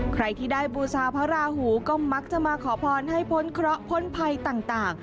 ใครที่ได้บูชาพระราหูก็มักจะมาขอพรให้พ้นเคราะห์พ้นภัยต่าง